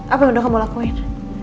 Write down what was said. apa yang udah kamu lakuin